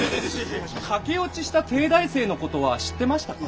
駆け落ちした帝大生の事は知ってましたか？